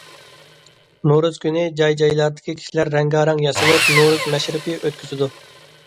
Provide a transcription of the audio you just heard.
نورۇز كۈنى جاي- جايلاردىكى كىشىلەر رەڭگارەڭ ياسىنىپ، نورۇز مەشرىپى ئۆتكۈزىدۇ.